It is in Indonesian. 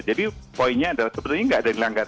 jadi poinnya adalah sebetulnya enggak ada yang dilanggar